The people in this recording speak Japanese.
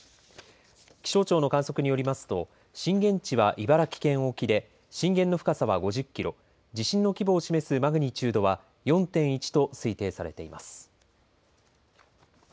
気象庁の観測によりますと震源地は茨城県沖で震源の深さは５０キロ地震の規模を示すマグニチュードは４．１と推定されています。